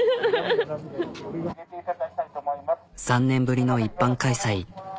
３年ぶりの一般開催。